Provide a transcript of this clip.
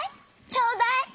ちょうだい！